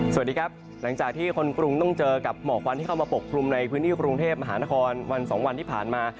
สวัสดีครับหลังจากที่คนกรุงต้องเจอกับหมอกควันที่เข้ามาปกคลุมในพื้นที่กรุงเทพมหานครวันสองวันที่ผ่านมา